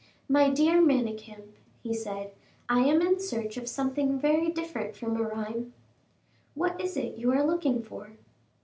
"My dear Manicamp," he said, "I am in search of something very different from a rhyme." "What is it you are looking for?"